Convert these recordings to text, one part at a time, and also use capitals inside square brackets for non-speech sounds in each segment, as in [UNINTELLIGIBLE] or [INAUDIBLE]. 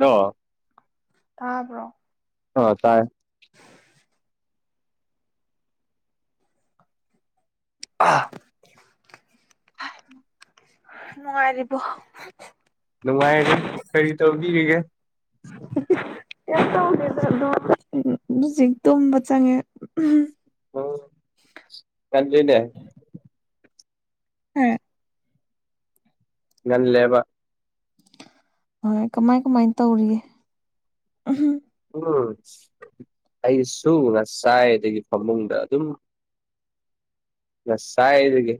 ꯑ ꯇꯥꯕ꯭ꯔꯣ ꯍ ꯇꯥꯏꯌꯦꯦ ꯑ ꯅꯉꯔꯤꯕ ꯅꯨꯡꯉꯥꯏꯔꯤ ꯀꯔꯤ ꯇꯧꯕꯤꯔꯤꯒꯦ ꯀ ꯇꯧꯒꯦꯗ ꯍꯧꯖꯤꯛ ꯇꯨꯝꯕ ꯆꯪꯉꯦ ꯎ ꯀꯟꯅꯦꯦ ꯍꯝ ꯉꯟꯂꯦꯕ ꯍꯣꯏ ꯀꯃꯥꯏ ꯀꯃꯥꯏꯅ ꯇꯧꯔꯤꯒꯦ ꯎ ꯎꯝ ꯑꯩꯁꯨ ꯉꯁꯥꯏ ꯑꯗꯒꯤ ꯐꯃꯨꯡꯗ ꯑꯗꯨꯝ ꯁꯁꯥꯏꯒꯤ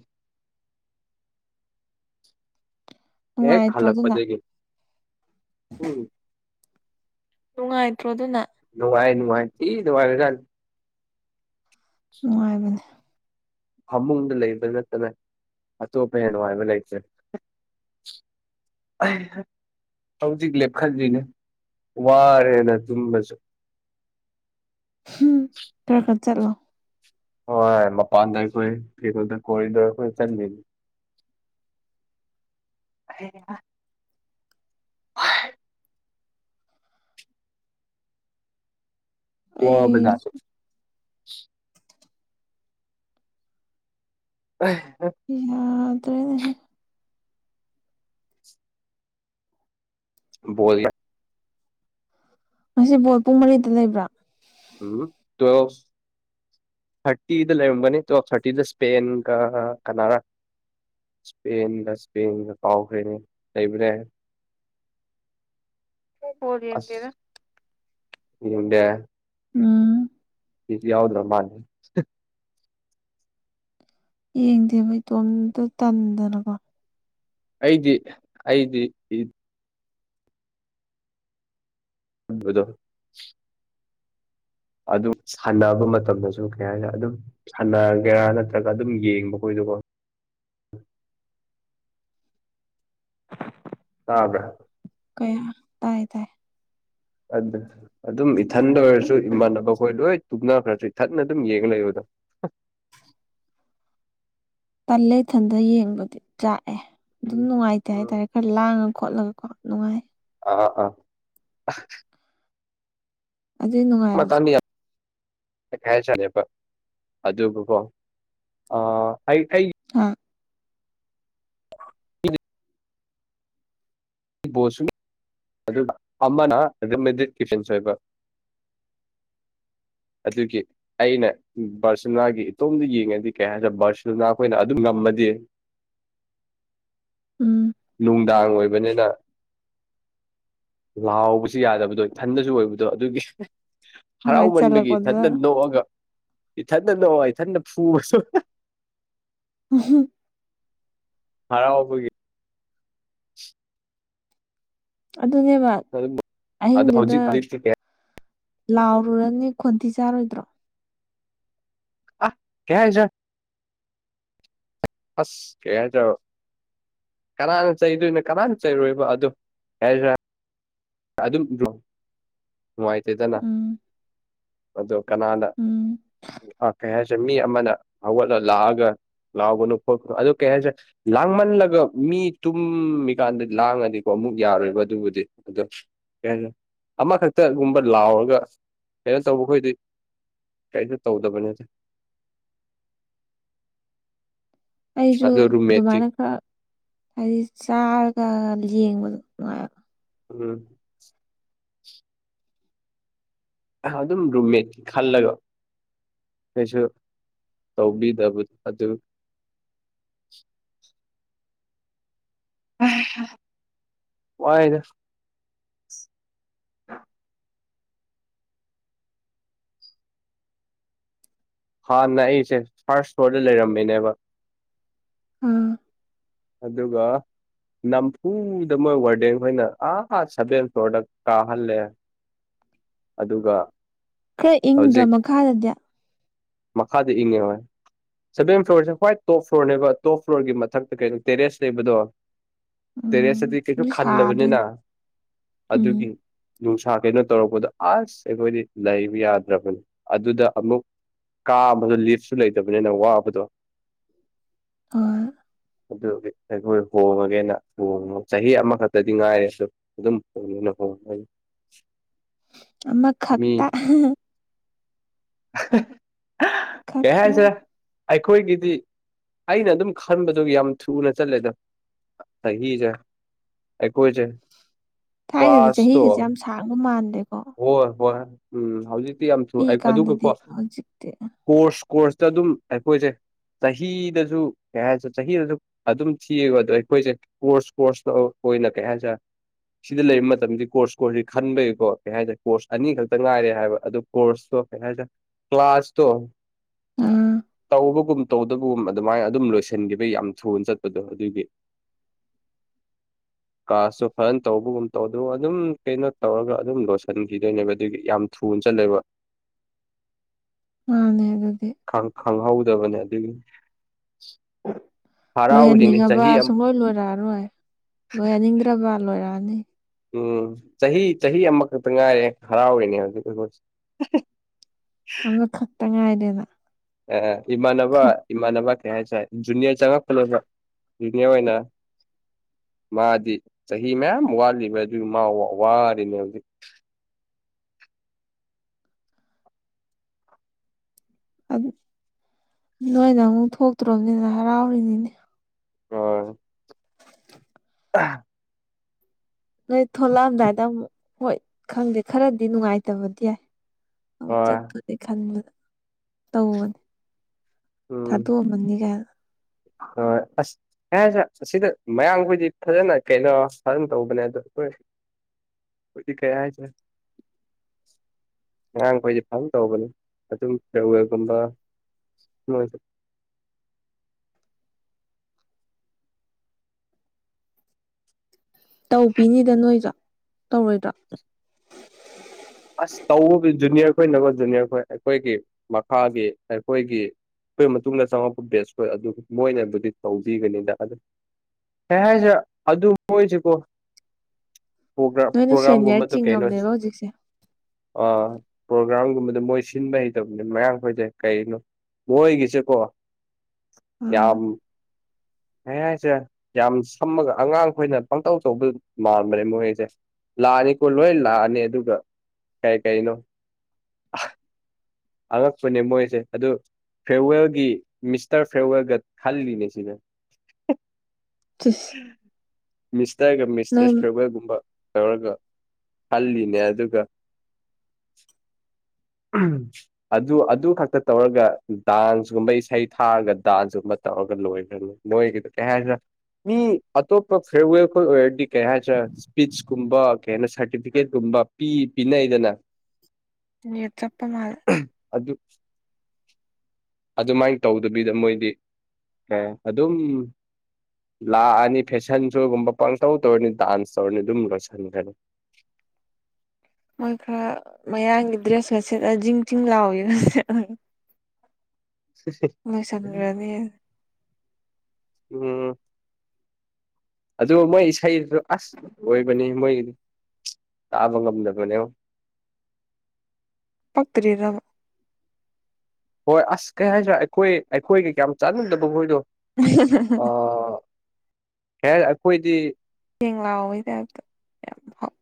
ꯍꯦꯛ ꯅꯨꯡꯉꯥꯏꯇ꯭ꯔꯣ ꯑꯗꯨꯅ ꯍꯂꯛꯄꯖꯦꯒꯦ ꯎꯝ ꯇꯨꯡꯉꯥꯏꯣ ꯑꯗꯨꯅ ꯅ ꯅꯨꯡꯍꯥꯏ ꯅꯨꯡꯍꯥꯏ ꯊ ꯋꯥꯥꯏꯦꯒ ꯅꯨꯡꯉꯥꯏꯕꯅꯦ ꯐꯃꯨꯡꯗ ꯂꯩꯕ ꯅꯠꯇꯅ ꯑꯇꯣꯞꯄ ꯍꯦꯟꯅ ꯍꯥꯏꯕ ꯂꯩꯇꯦ ꯑ ꯍꯧꯖꯤꯛ ꯂꯦꯞꯈꯜꯂꯤꯗ꯭ꯅꯦ ꯋꯥꯔꯦꯅ ꯇꯨꯝꯕꯁꯨ ꯎꯝ ꯊꯔꯀ ꯆꯠꯂꯣ ꯍꯣꯏ ꯃꯄꯥꯟꯗ ꯑꯩꯈꯣꯏ ꯐꯣꯗ ꯀꯣꯔꯤꯗ ꯑꯩꯈꯣꯏ ꯆꯂꯤꯅꯤ ꯑ ꯑꯩ ꯋꯥꯕꯖꯥꯗ ꯌꯥ ꯑꯗꯨꯅꯦ ꯕꯣꯜ ꯉꯁꯤ ꯕꯣꯣꯔꯠ ꯄꯨꯡ ꯃꯔꯤꯗ ꯂꯩꯕ꯭ꯔꯥ ꯎꯝ ꯇꯋ ꯊꯥꯔꯇꯤꯗ ꯂꯩꯔꯝꯒꯅꯤꯣ ꯊꯥꯔꯇꯤꯗ ꯏꯁꯄꯦꯟꯒ ꯀꯅꯥꯔꯥ ꯏꯁꯄꯦꯟꯒ ꯏꯁꯄꯦꯟꯒ ꯀꯥꯎꯈ꯭ꯔꯦ ꯂꯩꯕ꯭ꯔꯦ ꯍꯣꯗꯤ ꯌꯦꯟꯗꯦꯔ ꯎꯗꯦ ꯎꯝ ꯌꯥꯎꯗ꯭ꯔ ꯃꯥꯅꯦ ꯌꯦꯡꯗꯦꯕ ꯏꯇꯣꯝꯇ ꯇꯟꯗꯅꯀꯣ ꯑꯩꯗꯤ ꯑꯩꯗꯤꯗꯤ ꯊꯗ ꯑꯗꯨ ꯁꯥꯟꯅꯕ ꯃꯇꯝꯗꯁꯨ ꯀꯩ ꯍꯥꯏ ꯑꯗꯨꯝ ꯁꯥꯟꯅꯒꯦꯔꯥ ꯅꯠꯇ꯭ꯔꯒ ꯑꯗꯨꯝ ꯌꯦꯡꯕ [UNINTELLIGIBLE] ꯇꯕ ꯀꯌꯥ ꯇꯥꯏ ꯇꯥꯏ ꯑꯗꯨ ꯑꯗꯨꯝ ꯏꯊꯟꯗ ꯑꯣꯏꯔꯁꯨ ꯏꯃꯥꯟꯅꯕ ꯍꯈꯣꯏ ꯂꯣꯏ ꯇꯨꯝꯅꯈ꯭ꯔꯁꯨ ꯏꯊꯠꯟꯅ ꯑꯗꯨꯝ ꯌꯦꯡꯉ ꯂꯩꯕꯗ [UNINTELLIGIBLE] ꯇꯟ ꯂꯩꯊꯟꯗ ꯌꯦꯡꯕꯗꯤ ꯆꯥꯛꯑꯦ ꯑꯗꯨꯝ ꯅꯨꯡꯉꯥꯏꯇꯦ ꯍꯥꯏꯇꯥꯔꯦ ꯈꯔ ꯂꯥꯡꯉ ꯈꯣꯠꯂꯒ ꯀꯣ ꯅꯨꯡꯉꯥꯏ ꯑꯥ ꯑꯥ ꯑꯗꯨꯏ ꯅꯨꯡꯉꯥꯏꯕꯗꯣ ꯈꯥꯏ ꯆꯠꯂꯦꯕ ꯑꯗꯨꯕꯨꯀꯣ ꯑ ꯑꯩꯩ ꯊꯩ ꯍꯥ ꯣꯁ ꯑꯗꯨ ꯑꯃꯅ ꯑꯗꯨ ꯃꯗꯤ ꯀꯤꯐꯟ ꯁꯦꯕ ꯑꯗꯨꯒꯤ ꯑꯩꯅ ꯕꯥꯔꯁꯤꯂꯅꯥꯒꯤ ꯏꯇꯣꯝꯗ ꯌꯦꯡꯉꯗꯤ ꯀꯩ ꯍꯥꯏꯔ꯭ꯔꯦ ꯕꯥꯔꯁꯤꯂꯅꯥ ꯑꯩꯈꯣꯏꯅ ꯑꯗꯨꯝ ꯉ ꯑꯃꯗꯤ ꯎꯝ ꯅꯨꯡꯗꯥꯡ ꯑꯣꯏꯕꯅꯤꯅ ꯂꯥꯎꯕꯁꯨ ꯌꯥꯗꯕꯗꯣ ꯏꯊꯟꯗꯁꯨ ꯑꯣꯏꯕꯗꯣ ꯑꯗꯨꯒꯤ ꯍꯣꯏ ꯍꯔꯥꯎꯃꯟꯕꯒꯤ ꯆꯜꯂꯛꯄꯗ ꯏꯊꯟꯇ ꯅꯣꯛꯑꯒ ꯏꯊꯟꯗ ꯅꯣꯡ ꯏꯊꯟꯗ ꯐꯨꯔꯁꯨ ꯎꯝ ꯍꯔꯥꯎꯕꯨꯒꯤ ꯑꯗꯨꯅꯦꯕ ꯑꯗꯨꯝ ꯑꯗꯣ ꯑꯍꯤꯡꯗꯨꯗ ꯍꯧꯖꯤꯛ ꯍꯧꯖꯤꯛꯇꯤ ꯀꯩ ꯂꯥꯎꯔꯨꯔꯅꯤ ꯈꯣꯟꯊꯤ ꯆꯥꯔꯣꯏꯗ꯭ꯔꯣ ꯀꯦ [UNINTELLIGIBLE] ꯑꯁ [UNINTELLIGIBLE] ꯀꯅꯥꯅ ꯆꯩꯗꯣꯏꯅꯣ ꯀꯅꯥꯅ ꯆꯩꯔꯣꯏꯕ ꯑꯗꯨꯗꯣ ꯌꯥꯁꯤ ꯑꯗꯨꯝ ꯅꯨꯡꯉꯥꯏꯇꯦꯗꯅ ꯎꯝ ꯑꯗꯨ ꯀꯅꯥꯗ ꯎꯝ ꯀꯩ ꯍꯥꯏꯁꯦ ꯃꯤ ꯑꯃꯅ ꯍꯧꯒꯠꯂꯒ ꯂꯥꯛꯑꯒ ꯂꯥꯎꯒꯅꯨ ꯈꯣꯠꯄꯅꯨ ꯑꯗꯨ ꯀꯩ ꯍꯥꯏꯁꯔꯦ ꯂꯥꯡꯃꯜꯂꯒ ꯃꯤ ꯇꯨꯝꯃꯤꯀꯥꯟꯗ ꯂꯥꯡꯉꯗꯤꯀꯣ ꯑꯃꯨꯛ ꯌꯥꯔꯣꯏꯕ ꯑꯗꯨꯕꯨꯗꯤ ꯑꯗꯣ ꯀꯩ ꯍꯥꯏ ꯑꯃꯈꯛꯇꯒꯨꯝꯕ ꯂꯥꯎꯔꯒ ꯀꯩꯅꯣ ꯇꯧꯕ ꯈꯣꯏꯗꯤ ꯀꯩꯁꯨ ꯇꯧꯗꯕꯅꯤ ꯑꯩꯁꯨ ꯑꯗꯨꯃꯥꯏꯅ ꯈꯔ ꯍꯥꯏꯗꯤ ꯆꯥꯔꯒ ꯌꯦꯡꯕꯗ [UNINTELLIGIBLE] ꯎꯝ ꯑꯗꯨꯝ ꯔꯨꯝꯃꯦꯠ ꯈꯜꯂꯒ ꯀꯩꯁꯨ ꯇꯧꯕꯤꯗꯕ ꯑꯗꯨ ꯋꯥꯏꯗ ꯍꯥꯟꯅ ꯑꯩꯁꯦ ꯐꯥꯔꯁ ꯐ꯭ꯂꯣꯔꯗ ꯂꯩꯔꯝꯃꯤꯅꯦꯕ ꯑꯥ ꯑꯗꯨꯒ ꯅꯝꯐꯨꯗ ꯃꯣꯏ ꯋꯥꯔꯗꯦꯟ ꯈꯣꯏꯅ ꯑꯥ ꯁꯦꯚꯦꯟ ꯐ꯭ꯂꯣꯔꯗ ꯀꯥꯍꯜꯂꯦ ꯑꯗꯨꯒ ꯈꯔ ꯏꯪꯗ꯭ꯔꯥ ꯍꯧꯖꯤꯛ ꯃꯈꯥꯗꯗꯤ ꯃꯈꯥꯗ ꯏꯉꯦꯋꯥ ꯁꯚꯦꯟ ꯐ꯭ꯂꯣꯔꯁꯦ ꯍ꯭ꯋꯥꯏ ꯇꯣꯞ ꯐ꯭ꯂꯣꯔꯅꯦꯕ ꯇꯣꯞ ꯐ꯭ꯂꯣꯔꯒꯤ ꯃꯊꯛꯇ ꯀꯩꯅꯣ ꯇꯦꯔꯦꯁ ꯂꯩꯕꯗꯣ ꯇꯦꯔꯦꯁ ꯎꯝ ꯑꯗꯨꯗꯤ ꯀꯩꯁꯨ ꯑꯗꯨ ꯁꯥꯗꯣꯏꯅꯦ ꯈꯟꯅꯕꯅꯤꯅ ꯎꯝ ꯑꯗꯨꯒꯤ ꯅꯨꯡꯁꯥ ꯀꯩꯅꯣ ꯇꯧꯔꯛꯄꯗ ꯑꯁ ꯑꯩꯈꯣꯏꯗꯤ ꯂꯩꯕ ꯌꯥꯗ꯭ꯔꯕꯅꯤ ꯑꯗꯨꯗ ꯑꯃꯨꯛ ꯀꯥ ꯑꯃꯗ ꯂꯤꯐꯁꯨ ꯂꯩꯇꯕꯅꯤꯅ ꯋꯥꯕꯗꯣ ꯑ ꯑꯗꯨ ꯑꯩꯈꯣꯏ ꯍꯣꯡꯉꯒꯦꯅ ꯍꯣꯡꯉꯨ ꯆꯍꯤ ꯑꯃꯈꯛꯇꯗꯤ ꯉꯥꯏꯔꯁꯨ ꯑꯗꯨꯝ ꯍꯣꯡꯉꯦꯅ ꯍꯣꯡꯉ ꯍ ꯑꯃ ꯈꯛꯇ [INAUDIBLE] ꯈꯛ ꯀꯩ ꯇ ꯍꯥꯏꯁꯤꯔꯥ ꯑꯩꯈꯣꯏꯒꯤꯗꯤ ꯑꯩꯅ ꯑꯗꯨꯝ ꯈꯟꯕꯗꯨ ꯌꯥꯝ ꯊꯨꯅ ꯆꯠꯂꯦꯗ ꯁꯍꯤꯖ ꯑꯩꯀꯣꯏꯖ ꯊꯥꯏꯅꯗꯤ ꯆꯍꯤꯒꯁꯦ ꯌꯥꯝ ꯁꯥꯡꯕ ꯃꯥꯟꯜꯂꯤ ꯍꯣꯏ ꯍꯣꯏ ꯎꯝ ꯍꯧꯖꯤꯛꯇꯤ ꯌꯥꯝ ꯊꯦ ꯑꯗꯨꯒꯀꯣ ꯄꯤꯛꯏꯀꯥꯟꯗꯗꯤ ꯀꯣꯔꯁ ꯍꯧꯖꯤꯛꯇꯤ ꯀꯣꯔꯁꯇ ꯑꯗꯨꯝ ꯑꯩꯈꯣꯏꯁꯦ ꯆꯍꯤꯗꯁꯨ ꯀꯩ ꯍꯥꯏꯔ ꯆꯍꯤꯗꯁꯨ ꯑꯗꯨꯝ ꯊꯤꯌꯦꯕ ꯑꯗꯣ ꯑꯩꯈꯣꯏꯁꯦ ꯀꯣꯔꯁ ꯀꯣꯔꯁ ꯑꯩꯈꯣꯏꯅ ꯀꯩ ꯍꯥꯏꯁꯔꯦ ꯁꯤꯗ ꯂꯩꯕ ꯃꯇꯝꯗ ꯀꯣꯔꯁ ꯀꯣꯔꯁꯁꯤ ꯈꯟꯕꯒꯤꯕꯀꯣ ꯀꯩ ꯍꯥꯏꯇꯥꯔꯦ ꯀꯣꯔꯁ ꯑꯅꯤ ꯈꯛꯇ ꯉꯥꯏꯔꯦ ꯍꯥꯏꯕ ꯑꯗꯨ ꯀꯣꯔꯁꯇꯣ ꯀꯩ ꯍꯥꯏꯇꯥꯗꯔ ꯀ꯭ꯂꯥꯁꯇꯣ ꯑꯝ ꯇꯧꯕꯒꯨꯝ ꯇꯧꯗꯕꯒꯨꯝ ꯑꯗꯨꯃꯥꯏꯅ ꯑꯗꯨꯝ ꯂꯣꯏꯁꯤꯟꯈꯤꯕ ꯌꯥꯝ ꯊꯨꯅ ꯆꯠꯄꯗꯣ ꯑꯗꯨꯒꯤ [INAUDIBLE] ꯀꯥꯁꯁꯨ ꯐꯖꯅ ꯇꯧꯕꯒꯨꯝ ꯇꯧ ꯑꯗꯨ ꯑꯗꯨꯝ ꯀꯩꯅꯣ ꯇꯧꯔꯒ ꯑꯗꯨꯝ ꯂ ꯁꯟꯈꯤꯗꯣꯏꯅꯦꯕ ꯑꯗꯨꯒꯤ ꯌꯥꯝ ꯊꯨꯅ ꯆꯜꯂꯦꯕ ꯃꯥꯅꯦ ꯑꯗꯨꯗꯤ ꯈꯪꯍꯧꯗꯕꯅꯦ ꯑꯗꯨꯒꯤꯅꯤ ꯂꯣꯏꯍꯟꯅꯤꯡꯉꯕ ꯁꯨꯡꯂꯣꯏ ꯂꯣꯏꯔꯛꯑꯔꯣꯏ ꯂꯣꯏꯍꯟꯅꯤꯡꯗ꯭ꯔꯕ ꯂꯣꯏꯔꯛꯑꯅꯤ ꯎꯝ ꯆꯍꯤ ꯆꯍꯤ ꯑꯃꯈꯛꯇ ꯉꯥꯏꯔꯦ ꯍꯔꯥꯎꯔꯤꯅꯦ ꯍꯧꯖꯤꯛ [INAUDIBLE] ꯑ ꯈꯇ ꯉꯥꯏꯔꯤꯅ ꯑ ꯏꯃꯥꯅꯕ ꯏꯃꯥꯅꯕ ꯌꯥ ꯆ ꯖꯨꯅꯤꯌꯔ ꯆꯉꯛ ꯐꯂ ꯖꯨꯅꯤꯌꯔ ꯑꯣꯏꯅ ꯃꯥꯗꯤ ꯆꯍꯤ ꯃꯌꯥꯝ ꯋꯥꯠꯂꯤꯕ ꯑꯗꯨ ꯋꯥꯔꯅꯦ ꯍꯧꯖꯤꯛ ꯅꯣꯏꯅ ꯑꯃꯨꯛ ꯊꯣꯛꯇ꯭ꯔꯣꯕꯅꯤꯅ ꯍꯔꯥꯎꯔꯤꯅꯤꯅꯦ ꯎꯝ [INAUDIBLE] ꯑ ꯅꯣꯏ ꯊꯂꯛꯑꯝꯗꯥꯏꯗ ꯑꯃꯨꯛ ꯍꯣꯏ ꯈꯪꯗꯦ ꯈꯔꯗꯤ ꯅꯨꯡꯉꯥꯏꯇꯕꯗꯤ ꯌꯥꯏ ꯑꯃꯨꯛ ꯍꯣꯏ ꯆꯠꯄꯅꯦ ꯈꯟꯕꯗ ꯇꯧꯕꯅꯦ ꯊ ꯎꯝ ꯑꯗꯨꯃꯅꯤꯒ ꯍꯣꯏ ꯑꯁꯁꯦ ꯑꯁꯤꯗ ꯃꯌꯥꯝꯡꯈꯣꯏꯗꯤ ꯐꯖꯅ ꯀꯩꯅꯣ ꯁꯥꯖꯝ ꯇꯧꯕꯅꯦ ꯑꯗ ꯍꯣꯏ ꯀꯩ ꯍꯥꯏꯅꯣ ꯉꯔꯥꯡꯈꯣꯏꯗꯤ ꯐꯥꯝ ꯇꯧꯕꯅꯤ ꯑꯗꯨꯝ ꯐꯔꯋꯦꯒꯨꯝꯕ ꯍꯣꯏ ꯇꯧꯕ ꯄꯅꯤꯗ ꯅꯣꯏꯗ꯭ꯔꯥ ꯇꯧꯔꯣꯏꯗ꯭ꯔꯥ ꯑꯁ ꯇꯧꯕꯕꯨ ꯖꯨꯅꯤꯌꯔ ꯈꯣꯏꯅꯀꯣ ꯖꯨꯅꯤꯌꯔ ꯈꯣꯏ ꯑꯩꯈꯣꯏꯒꯤ ꯃꯈꯥꯒꯤ ꯑꯩꯈꯣꯏꯒꯤ ꯑꯗꯨꯈꯣꯏ ꯃꯇꯨꯡꯗ ꯆꯪꯉꯛꯄ ꯕꯦꯁ ꯑꯣꯏ ꯑꯗꯨ ꯃꯣꯏꯅꯕꯨꯗꯤ ꯇꯧꯤꯒꯅꯤꯗ ꯑꯗꯨ ꯍ ꯍꯦꯁꯦ ꯑꯗꯨ ꯑꯗꯨ ꯍꯣꯏ ꯆ ꯀꯣ ꯅꯣꯏꯅ ꯁꯦꯅꯤꯌꯔ ꯄ꯭ꯔꯣꯒꯥ꯭ꯔꯥꯝꯒꯨꯝꯕꯗꯨ ꯀꯩꯅꯣꯁꯤ ꯆꯤꯡꯉꯝꯅꯦꯕ ꯍꯧꯖꯤꯛꯁꯦ ꯄ꯭ꯔꯣꯒ꯭ꯔꯥꯝꯒꯨꯝꯕꯗ ꯃꯣꯏ ꯁꯤꯟꯕ ꯍꯩꯇꯕꯅꯤ ꯃꯌꯥꯝꯈꯣꯏꯁꯦ ꯀꯩꯅꯣ ꯃꯣꯏꯒꯤꯁꯦꯀꯣ ꯑꯥ ꯌꯥꯝ ꯑꯩ ꯍꯥꯏꯁꯦ ꯌꯥꯝ ꯁꯝꯃꯒ ꯑꯉꯥꯡ ꯈꯈꯣꯏꯅ ꯄꯪꯇꯧ ꯇꯧꯕ ꯃꯥꯟꯕꯅꯦ ꯃꯣꯏꯁꯦ ꯂꯥꯛꯑꯅꯤꯀꯣ ꯂꯣꯏ ꯂꯥꯛꯑꯅꯤ ꯑꯗꯨꯒ ꯀꯩ ꯀꯩꯅꯣ ꯑꯉꯛꯄꯅꯦ ꯃꯣꯏꯁꯦ ꯑꯗꯨ ꯐꯦꯔꯋꯦꯜꯒꯤ ꯃꯤꯁꯇꯔ ꯐꯦꯔꯋꯦꯜꯒ ꯈꯜꯂꯤꯅꯦ ꯁꯤꯅ ꯁꯤꯁ ꯃꯤꯁꯇꯔꯒ ꯅꯣꯏ ꯃꯤꯁꯇꯦꯁ ꯐꯔꯚꯔꯒꯨꯝꯕ ꯇꯧꯔꯒ ꯍꯜꯂꯤꯅꯦ ꯑꯗꯨꯒ ꯑꯗꯨ ꯑꯗꯨ ꯈꯛꯇ ꯇꯧꯔꯒ ꯗꯥꯟꯁꯒꯨꯝꯕ ꯏꯁꯩ ꯊꯥꯔꯒ ꯗꯥꯟꯁꯀꯨꯝꯕ ꯒ ꯂꯣꯏ ꯂꯣꯏꯒꯤ ꯀꯩꯍ ꯍꯥꯏ ꯃꯤ ꯑꯇꯣꯞꯄ ꯐꯤꯦꯔꯋꯦꯜ ꯈꯣꯏ ꯑꯣꯏꯔꯗꯤ ꯀꯩ ꯍꯥꯏꯇꯥꯔꯦ ꯏꯁꯄꯤꯆꯀꯨꯝꯕ ꯀꯩ ꯍꯥꯏꯅ ꯁꯥꯔꯇꯤꯐꯤꯀꯦꯠꯨꯝꯕ ꯄꯤ ꯄꯤꯅꯏꯗꯅ ꯅ ꯆꯄ ꯃꯥꯜ [INAUDIBLE] ꯑꯗꯨꯃꯥꯏꯅ ꯇꯧꯗꯕꯤꯗ ꯃꯣꯏꯗꯤ ꯑꯦ ꯑꯗꯨꯝ ꯂꯥꯛꯑꯅꯤ ꯐꯦꯁꯟ ꯁꯣꯒꯨꯝꯕ ꯄꯥꯡꯇꯧ ꯇꯧꯔꯅꯤ ꯗꯥꯟꯁ ꯇꯧꯔꯅꯤ ꯑꯗꯨꯝ ꯂꯣꯏꯁꯤꯟꯒꯅꯤ [INAUDIBLE] ꯃꯣꯏ ꯈꯔ ꯃꯌꯥꯡꯒꯤ ꯗ꯭ꯔꯦꯁꯀ ꯁꯦꯠꯂ ꯤꯡ ꯆꯤꯡ ꯂꯥꯎꯋ ꯂꯣꯏꯁꯔꯅꯤ ꯎꯝ ꯑꯗꯨ ꯃꯣꯏ ꯏꯁꯩꯁꯨ ꯑꯁ ꯑꯣꯏꯕꯅꯤ ꯃꯣꯏꯒꯤꯗꯤ ꯇꯕꯪꯒ ꯑꯃ ꯅꯅꯦꯕ ꯄꯇꯔꯤꯦꯗꯕ ꯍꯣꯏ ꯑꯁ ꯀꯩ ꯍꯥꯏꯁꯤ꯭ꯔꯥ ꯑꯩꯈꯣꯏ ꯑꯩꯈꯣꯏꯒ ꯀꯌꯥꯝ ꯆꯥꯟꯅꯗꯕ ꯃꯣꯏꯗꯣ [INAUDIBLE] ꯍꯦ ꯑꯩꯈꯣꯏꯗꯤ ꯌꯦ ꯂꯥꯛꯑꯣꯇꯥꯗ ꯌꯥꯝ ꯍꯥꯎ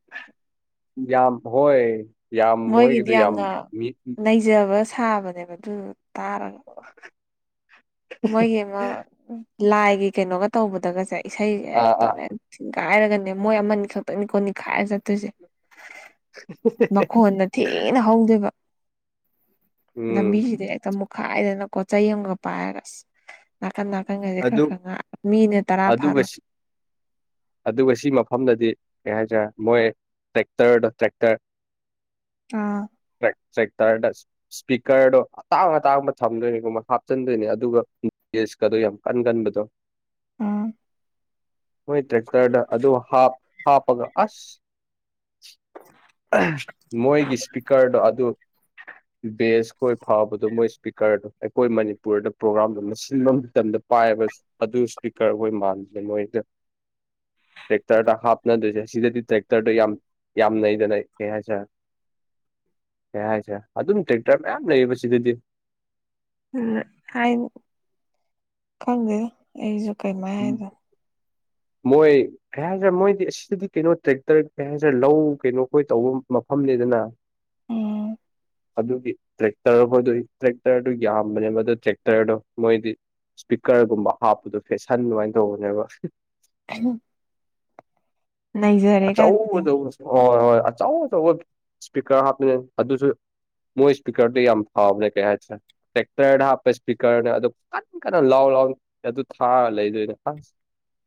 ꯝꯄ ꯍꯣꯏ ꯌꯥꯝ ꯃꯣꯏꯒꯤꯗꯤ ꯃꯣꯏꯒꯤꯗꯣ ꯌꯥꯝ ꯌꯥꯝꯅ ꯃꯤ ꯅꯩꯖꯕ ꯁꯥꯕꯅꯦꯕ ꯑꯗꯨ ꯇꯥꯔꯒ ꯃꯣꯏꯒꯤ ꯑꯃ ꯂꯥꯏꯒꯤ ꯀꯩꯅꯣꯒ ꯇꯧꯕꯗꯒꯁꯦ ꯏꯁꯩꯁꯦ ꯑꯥ ꯑꯥ ꯍꯦꯛꯇꯅꯦ ꯊꯤꯡꯒꯥꯏꯔꯒꯅꯦ ꯃꯣꯏ ꯑꯃꯅꯤ ꯁꯛꯇꯣꯏꯅꯤꯀꯣꯅꯤꯈꯥꯏꯔ ꯆꯠꯇꯣꯏꯁꯦ ꯃꯈꯣꯟꯅ ꯊꯤꯅ ꯍꯧꯗꯦꯕ ꯎꯝ ꯂꯝꯕꯤꯁꯤꯗꯤ ꯍꯦꯛꯇ ꯃꯨꯛꯈꯥꯏꯗꯅꯀꯣꯠꯆ ꯑꯃꯒ ꯄꯥꯏꯔꯒ ꯑꯁ ꯀꯅꯥ ꯀꯟꯒꯥꯁꯦ ꯈꯔ ꯑꯗꯨ ꯈꯔ ꯉ ꯃꯤꯅ ꯇꯔꯥ ꯑꯗꯨꯒ ꯐꯥꯔꯣꯏ ꯁꯤ ꯑꯗꯨꯒ ꯁꯤ ꯃꯐꯝꯗꯗꯤ ꯀꯩ ꯍꯥꯏꯇꯥꯔꯦ ꯃꯣꯏ ꯇꯦꯛꯇꯔꯗꯣ ꯇ꯭ꯔꯦꯛꯇꯔ ꯑꯥ ꯦꯛꯇꯔꯗ ꯏꯁꯄꯤꯀꯔꯗꯣ ꯑꯇꯥꯡ ꯑꯇꯥꯡꯕ ꯊꯝꯗꯣꯏꯅꯤꯒꯨꯝꯕ ꯍꯥꯞꯆꯤꯟꯗꯣꯏꯅꯦ ꯑꯗꯨꯒ ꯀꯗ ꯌꯥꯝ ꯀꯟꯒꯟꯕꯗꯣ ꯑꯝ ꯃꯣꯏ ꯇ꯭ꯔꯦꯛꯇꯔꯗ ꯑꯗꯨ ꯍꯥꯞꯄꯒ ꯑꯁ ꯃꯣꯏꯒꯤ ꯏꯁꯄꯤꯀꯔꯗꯣ ꯑꯗꯨ ꯕꯦꯁꯈꯣꯏ ꯐꯥꯕꯗꯣ ꯃꯣꯏ ꯏꯁꯄꯤꯀꯔꯗꯣ ꯑꯩꯈꯣꯏ ꯃꯅꯤꯄꯨꯔꯗ ꯄ꯭ꯔꯣꯒꯥ꯭ꯔꯥꯝꯗꯣ ꯁꯤꯟꯕ ꯃꯇꯝꯗ ꯄꯥꯏꯕ ꯑꯗꯨ ꯏꯁꯄꯤꯀꯔ ꯍꯣꯏ ꯃꯥꯟꯕꯦ ꯅꯣꯏꯗ ꯇ꯭ꯔꯦꯛꯇꯔꯗ ꯍꯥꯞꯅꯗꯣꯏꯁꯦ ꯁꯤꯗꯗꯤ ꯇ꯭ꯔꯦꯛꯇꯔꯗꯣ ꯌꯥꯝ ꯌꯥꯝꯅꯩꯗꯅ ꯀꯩ ꯍꯥꯏꯁꯔꯦ ꯌꯥꯁꯦ ꯑꯗꯨꯝ ꯇ꯭ꯔꯦꯛꯇꯔ ꯃꯌꯥꯝ ꯂꯩꯌꯦ ꯁꯤꯗꯗꯤ ꯎ ꯈꯪꯗꯦꯗ ꯑꯩꯁꯨ ꯀꯩꯃꯥꯏ ꯍꯥꯏꯗꯣ [UNINTELLIGIBLE] ꯃꯣꯏ ꯀꯩ ꯍꯥꯏꯁꯤꯔꯦ ꯃꯣꯏꯗꯤ ꯑꯁꯤꯗꯗꯤ ꯀꯩꯅꯣ ꯇ꯭ꯔꯦꯛꯇꯔ ꯀꯩ ꯍꯥꯏꯁꯤꯔꯦ ꯂꯧ ꯀꯩꯅꯣ ꯑꯩꯈꯣꯏ ꯇꯧꯕ ꯃꯐꯝꯅꯤ ꯑꯗꯨꯗꯅ ꯎꯝ ꯑꯗꯨꯒꯤ ꯇ꯭ꯔꯦꯛꯇꯔ ꯈꯣꯏꯗꯣꯛꯏ ꯇ꯭ꯔꯦꯛꯇꯔꯗꯨ ꯌꯥꯝꯕꯅꯦ ꯃꯗꯨ ꯇ꯭ꯔꯦꯛꯇꯔꯗꯣ ꯃꯣꯏꯗꯤ ꯏꯁꯄꯤꯀꯔꯒꯨꯝꯕ ꯍꯥꯞꯄꯗꯣ ꯐꯦꯁꯟ ꯑꯗꯨꯃꯥꯏꯅ ꯇꯧꯕꯅꯦꯕ ꯎꯝ ꯑꯆꯧ ꯀꯥꯏꯗꯨꯅꯦ ꯑꯆꯧꯕ ꯍꯣꯏ ꯍꯣꯏ ꯑꯆꯧ ꯑꯆꯧꯕ ꯏꯁꯄꯤꯀꯔ ꯍꯥꯞꯄ ꯑꯗꯨꯁꯨ ꯃꯣꯏ ꯏꯁꯄꯤꯀꯔꯗ ꯌꯥꯝ ꯐꯥꯎꯅꯦ ꯀ ꯇꯦꯛꯇꯔ ꯍꯥꯄꯦ ꯏꯁꯄꯤꯀꯔꯅꯦ ꯑꯗꯨ ꯀ ꯂꯥꯎ ꯑꯗꯨ ꯊꯥꯔ ꯂꯩꯗꯣꯏꯅꯦ ꯑ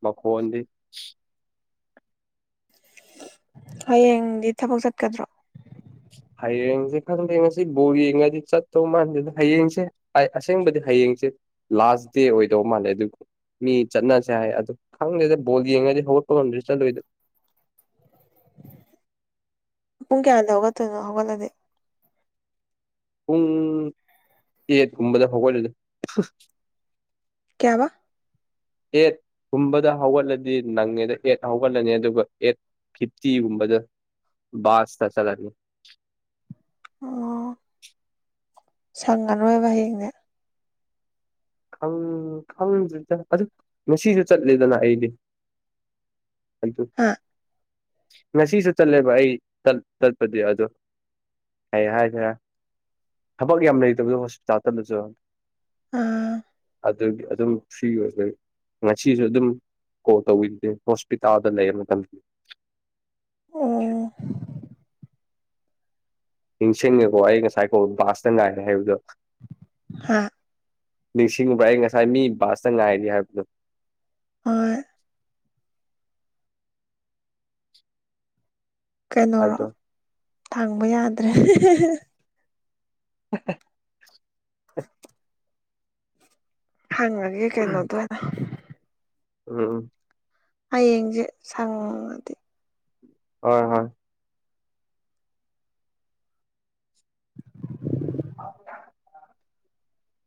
ꯃꯈꯣꯟꯗꯤ ꯍꯌꯦꯡꯗꯤ ꯊꯕꯛ ꯆꯠꯀꯗ꯭ꯔꯣ ꯍꯌꯦꯡꯁꯦ ꯈꯪꯗꯦ ꯉꯁꯤ ꯕꯣꯔ ꯌꯦꯡꯉꯗꯤ ꯆꯠꯇꯧ ꯃꯥꯟꯗꯦꯗ ꯍꯌꯦꯡꯁꯦ ꯑꯁꯦꯡꯕꯗꯤ ꯍꯌꯦꯡꯁꯦ ꯂꯥꯁ ꯗꯦ ꯑꯣꯏꯗꯧ ꯃꯥꯜꯂꯦ ꯑꯗꯨ ꯃꯤ ꯆꯠꯅꯁꯦ ꯍꯥꯏ ꯑ ꯈꯪꯗꯦꯁꯦ ꯕꯣꯜ ꯌꯦꯡꯉꯗꯤ ꯍꯧꯒꯠꯄ ꯉꯝꯗ꯭ꯦ ꯆꯠꯗꯣꯏꯗ [UNINTELLIGIBLE] ꯄꯨꯡ ꯀꯌꯥꯗ ꯍꯧꯒꯠꯇꯣꯏꯅꯣ ꯍꯧꯒꯠꯂꯗꯤ ꯄꯨꯡ ꯑꯦꯠ ꯀꯨꯝꯕꯗ ꯐꯒꯣꯏꯂ ꯀꯌꯥꯕ ꯑꯦꯠ ꯀꯨꯝꯕꯗ ꯍꯧꯒꯠꯂꯗꯤ ꯅꯪꯉꯦꯗ ꯑꯦꯠ ꯍꯧꯒꯠꯂꯅꯤ ꯑꯗꯨꯒ ꯑꯦꯠ ꯀꯤꯞꯇꯤꯒꯨꯝꯕꯗ ꯥꯁ ꯆꯂꯅꯤ ꯑꯣ ꯁꯪꯉꯔꯣꯏꯕ ꯍꯌꯦꯡꯅꯦ ꯈꯪꯗ꯭ꯗ ꯑꯗꯨ ꯉꯁꯤꯁꯨ ꯆꯠꯂꯦꯗꯅ ꯑꯩꯗꯤ ꯑꯗꯨ ꯍꯥ ꯉꯁꯤꯁꯨ ꯆꯠꯂꯦꯕ ꯑꯩ ꯇꯠꯄꯗꯤ ꯑꯗꯣ ꯀꯩ ꯍꯥꯏꯈ꯭ꯔꯦ ꯊꯕꯛ ꯌꯥꯝ ꯂꯩꯇꯕꯗ ꯍꯣꯁꯄꯤꯇꯥꯜꯗꯂꯁꯨ ꯑꯝ ꯑꯗꯨꯒꯤ ꯑꯗꯨꯝ ꯐ꯭ꯔꯤ ꯑꯣꯏꯖ ꯉꯁꯤꯁꯨ ꯑꯗꯨꯝ ꯀꯣ ꯇꯧꯗꯤ ꯍꯣꯁꯄꯤꯇꯥꯜꯗ ꯂꯩ ꯊ ꯑꯣ ꯅꯤꯡꯁꯤꯡꯉꯦꯀꯣ ꯑꯩ ꯉꯁꯥꯏꯀꯣ ꯕꯥꯁꯇ ꯉꯥꯏꯔꯦ ꯍꯥꯏꯕꯗꯣ ꯍꯥ ꯅꯤꯡꯁꯤꯡꯉꯨꯕ꯭ꯔꯥ ꯑꯩ ꯉꯁꯥꯏ ꯃꯤ ꯕꯥꯁꯇ ꯉꯥꯏꯔꯤ ꯍꯥꯏꯕꯗꯣ ꯍ ꯀꯩꯅꯔꯣ ꯑꯗꯣ ꯊꯥꯡꯕ ꯌꯥꯗ꯭ꯔꯦ [UNINTELLIGIBLE] ꯍꯦ ꯎꯝ ꯀꯅꯗꯅ ꯎꯝ ꯍꯌꯦꯡꯁꯦ ꯁꯪꯉꯗꯤ ꯍꯣꯏ ꯍꯣꯏ [UNINTELLIGIBLE]